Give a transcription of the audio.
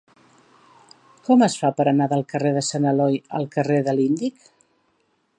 Com es fa per anar del carrer de Sant Eloi al carrer de l'Índic?